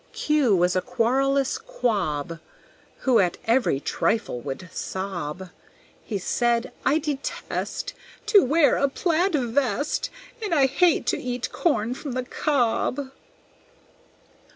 Q was a querulous Quab Who at every trifle would sob; He said, "I detest To wear a plaid vest, And I hate to eat corn from the cob!"